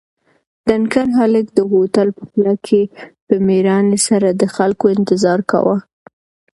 ډنکر هلک د هوټل په خوله کې په مېړانې سره د خلکو انتظار کاوه.